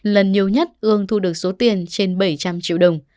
lần nhiều nhất ương thu được số tiền trên bảy trăm linh triệu đồng